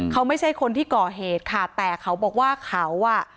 เขาไม่ใช่คนที่ก่อเหตุค่ะแต่เขาบอกว่าเขาอ่ะ